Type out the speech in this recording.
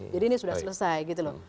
jadi ini sudah selesai gitu loh